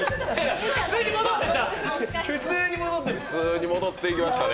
普通に戻っていきましたね。